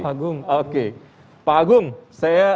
semua bagus ya